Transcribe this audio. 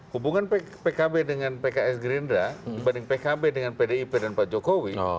hubungan pkb dengan pks gerindra dibanding pkb dengan pdip dan pak jokowi